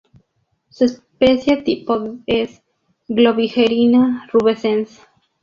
Su especie tipo es "Globigerina rubescens".